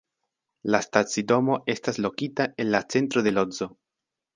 La stacidomo estas lokita en la centro de Lodzo.